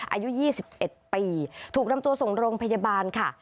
อายุ๒๑ปีถูกนำตัวส่งโรงพยาบาลค่ะ